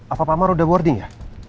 apa pak mar udah boarding ya